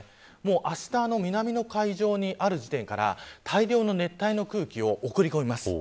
あしたの南の海上にある時点から大量の熱帯の空気を送り込みます。